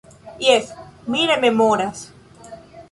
Jes, mi rememoras.